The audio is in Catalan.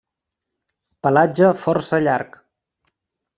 Pelatge força llarg.